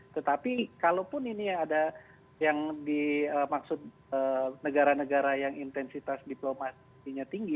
tetapi kalaupun ini ada yang dimaksud negara negara yang intensitas diplomasinya tinggi